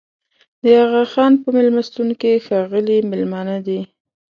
د اغاخان په مېلمستون کې ښاغلي مېلمانه دي.